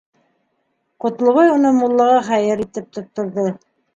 Ҡотлобай уны муллаға хәйер итеп тотторҙо.